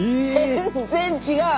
全然違う！